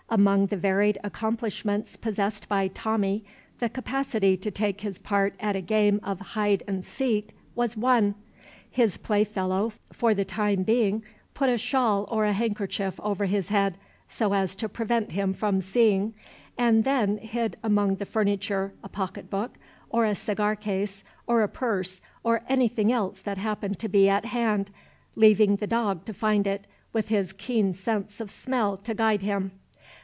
Among the varied accomplishments possessed by Tommie, the capacity to take his part at a game of hide and seek was one. His playfellow for the time being put a shawl or a handkerchief over his head, so as to prevent him from seeing, and then hid among the furniture a pocketbook, or a cigar case, or a purse, or anything else that happened to be at hand, leaving the dog to find it, with his keen sense of smell to guide him.